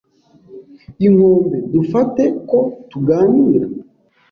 inkombe. Dufate ko tuganira. ”